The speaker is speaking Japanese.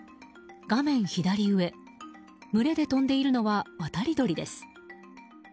画面左上、群れで飛んでいるのは渡り鳥です。